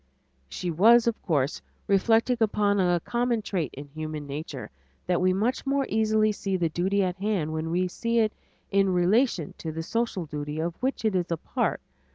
She was, of course, reflecting upon a common trait in human nature, that we much more easily see the duty at hand when we see it in relation to the social duty of which it is a part.